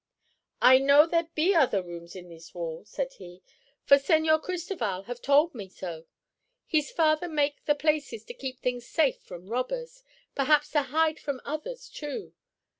"I know there be other rooms in thees wall," said he, "for Señor Cristoval have told me so. Hees father make the places to keep things safe from robbers—perhaps to hide from others, too.